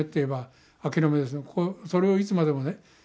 それをいつまでもね